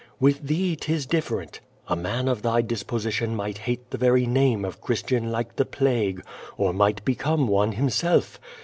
With thee ^tis different. A man of thy disposition might hate the very name of Christian like the plague, or might become one himself.